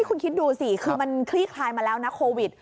คุณคิดดูสิคือมันคลี่คลายมาแล้วนะโควิด